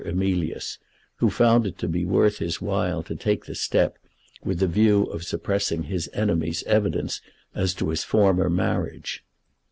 Emilius, who found it to be worth his while to take the step with the view of suppressing his enemy's evidence as to his former marriage.